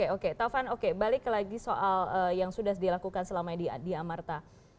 oke taufan balik lagi ke soal yang sudah dilakukan selama di amarta